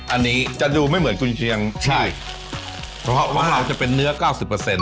อันนี้จะดูไม่เหมือนกุญเชียงใช่เพราะว่าของเราจะเป็นเนื้อเก้าสิบเปอร์เซ็น